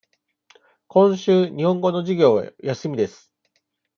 今週、日本語の授業は休みです。